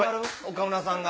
岡村さんが。